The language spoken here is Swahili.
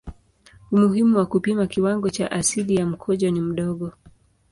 Umuhimu wa kupima kiwango cha asidi ya mkojo ni mdogo.